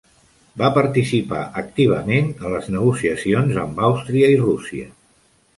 Va participar activament en les negociacions amb Àustria i Rússia.